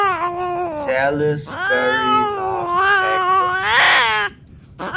Salisbury nach Accra.